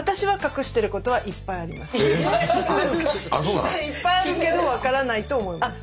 いっぱいあるけど分からないと思います。